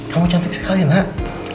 kamu cantik sekali nak